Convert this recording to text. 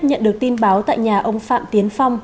nhận được tin báo tại nhà ông phạm tiến phong